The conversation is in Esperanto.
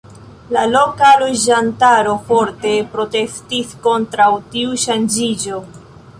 La loka loĝantaro forte protestis kontraŭ tiu ŝanĝiĝo.